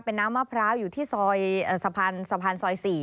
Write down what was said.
เป็นน้ำมะพร้าวอยู่ที่ซอยสะพานซอย๔